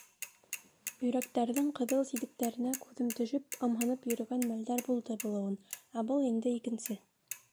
Өйрәктәрҙең ҡыҙыл ситектәренә күҙем төшөп, ымһынып йөрөгән мәлдәр булды булыуын, ә был инде икенсе!